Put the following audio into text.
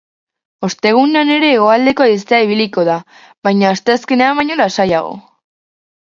Ostegunean ere hegoaldeko haizea ibiliko da, baina asteazkenean baino lasaiago.